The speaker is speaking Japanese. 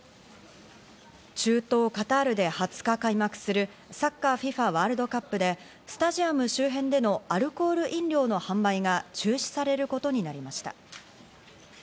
中東カタールで２０日開幕するサッカー・ＦＩＦＡワールドカップでスタジアム周辺でのアルコール飲料の販売が中止されることになりました。